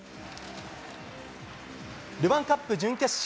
ルヴァンカップ準決勝。